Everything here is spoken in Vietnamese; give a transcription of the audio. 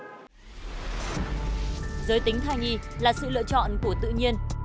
giới tính thai nhi là sự lựa chọn của tự nhiên